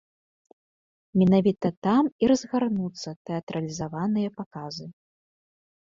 Менавіта там і разгарнуцца тэатралізаваныя паказы.